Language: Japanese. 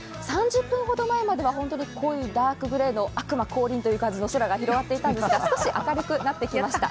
３０分ほど前まではダークグレーの悪魔降臨という感じの空が広がっていたんですが少し明るくなってきました。